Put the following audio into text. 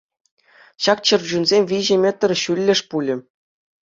Ҫак чӗрчунсем виҫӗ метр ҫуллӗш пулӗ.